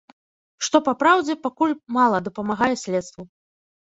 Што, па праўдзе, пакуль мала дапамагае следству.